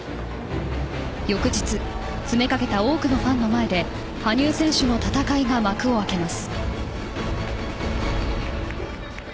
翌日詰めかけた多くのファンの前で羽生選手の戦いが幕を開けます。